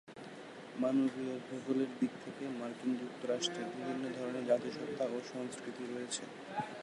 মানবীয় ভূগোলের দিক থেকে মার্কিন যুক্তরাষ্ট্রে বিভিন্ন ধরণের জাতিসত্তা ও সংস্কৃতি রয়েছে।